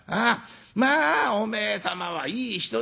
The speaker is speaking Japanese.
まあおめえ様はいい人だって。